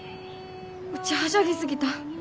うちはしゃぎ過ぎた。